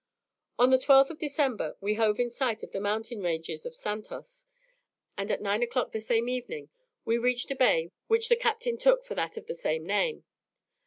On the 12th of December we hove in sight of the mountain ranges of Santos, and at 9 o'clock the same evening we reached a bay which the captain took for that of the same name.